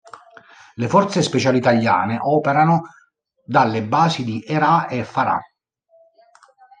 Le forze speciali italiane operano dalle basi di Herat e di Farah.